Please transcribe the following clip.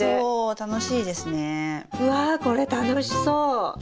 うわこれ楽しそう！